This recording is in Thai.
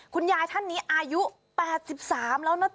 คุณยายท่านนี้อายุ๘๓แล้วนะจ